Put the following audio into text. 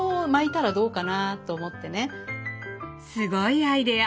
すごいアイデア！